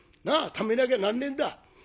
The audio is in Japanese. ためなきゃなんねんだ。